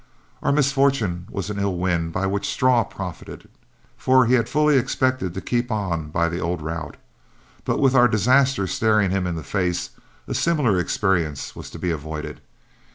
Our misfortune was an ill wind by which Straw profited, for he had fully expected to keep on by the old route, but with our disaster staring him in the face, a similar experience was to be avoided.